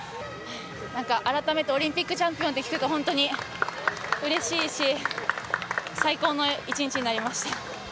あらためてオリンピックチャンピオンと聞くと、本当にうれしいし、最高の１日になりました。